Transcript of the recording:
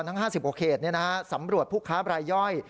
ทั้ง๕๐กว่าเขตสำรวจผู้ค้าบรายย่อย